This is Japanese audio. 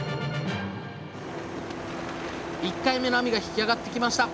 １回目の網が引き上がってきました。